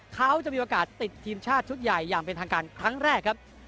เขาจะมีโอกาสติดทีมชาติชุดใหญ่อย่างเป็นทางการครั้งแรกครับ